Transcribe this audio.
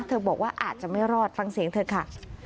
บอกว่าอาจจะไม่รอดฟังเสียงเธอค่ะ